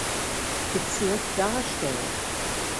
Bezirk darstellt.